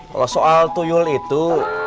kalau soal tuyul itu